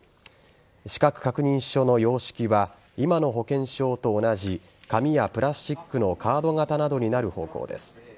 資格確認書の様式は今の保険証と同じ紙やプラスチックのカード型などになる方向です。